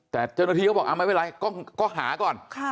แต่เจ้าหน้าที่ก็บอกไม่เป็นไรก็หาก่อน